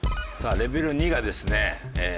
さあレベル２がですね